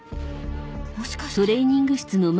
もしかして